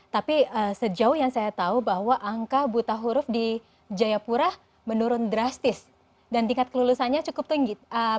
tapi sejauh yang saya tahu bahwa angka buta huruf di jayapura menurun drastis dan tingkat kelulusannya cukup tinggi